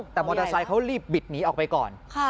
แต่มอเตอร์ไซค์เขารีบบิดหนีออกไปก่อน